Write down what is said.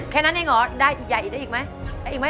แค่นั้นเองเหรอได้อีกใหญ่อีกได้อีกไหม